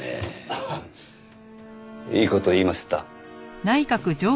ハハッいい事言いました？